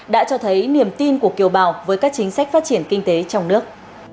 đã cho thấy niềm tin của kiều bào với các chính sách phát triển kinh tế trong nước